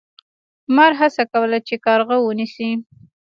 مار هڅه کوله چې کارغه ونیسي.